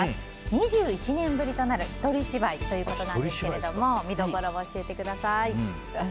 ２１年ぶりとなる一人芝居ということですが見どころを教えてください。